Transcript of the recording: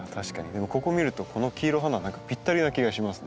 でもここを見るとこの黄色い花は何かぴったりの気がしますね。